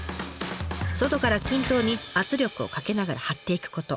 外から均等に圧力をかけながら貼っていくこと。